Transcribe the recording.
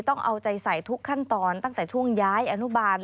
ต้องเอาใจใส่ทุกขั้นตอนตั้งแต่ช่วงย้ายอนุบาล